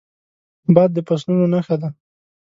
باد د فصلونو نښه ده